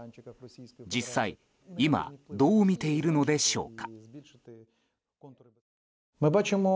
実際、今どうみているのでしょうか。